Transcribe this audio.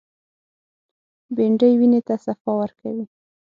بېنډۍ وینې ته صفا ورکوي